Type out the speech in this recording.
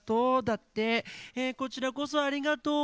こちらこそありがとう！